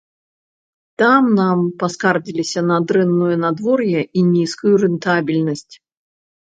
Там нам паскардзіліся на дрэннае надвор'е і нізкую рэнтабельнасць.